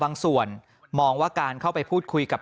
บางส่วนมองว่าการเข้าไปพูดคุยกับ